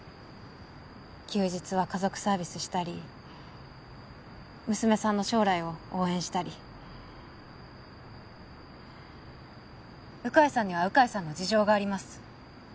休日は家族サービスしたり娘さんの将来を応援したり鵜飼さんには鵜飼さんの事情があります